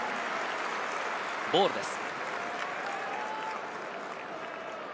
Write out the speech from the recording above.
ボールです。